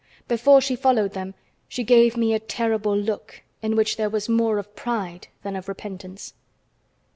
Before she followed them, she gave me a terrible look in which there was more of pride than of repentance.